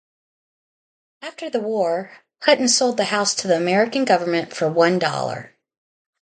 After the war, Hutton sold the house to the American government for one dollar.